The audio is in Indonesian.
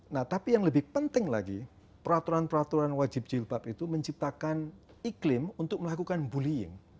nah tapi yang lebih penting lagi peraturan peraturan wajib jilbab itu menciptakan iklim untuk melakukan bullying